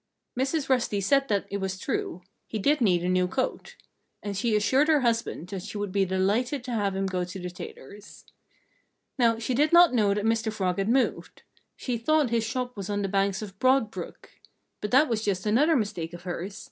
Mrs. Rusty said that it was true he did need a new coat. And she assured her husband that she would be delighted to have him go to the tailor's. Now, she did not know that Mr. Frog had moved. She thought his shop was on the banks of Broad Brook. But that was just another mistake of hers.